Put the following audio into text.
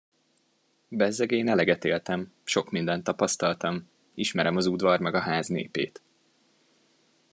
Bezzeg én eleget éltem, sok mindent tapasztaltam, ismerem az udvar meg a ház népét.